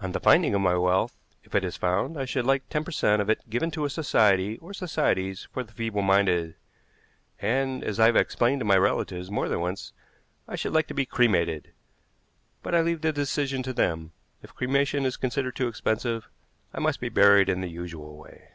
On the finding of my wealth, if it is found, I should like ten per cent. of it given to a society or societies for the feeble minded. And, as I have explained to my relatives more than once, I should like to be cremated, but I leave the decision to them. If cremation is considered too expensive, I must be buried in the usual way."